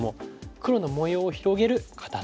黒の模様を広げる肩ツキ。